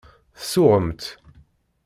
Tsuɣemt.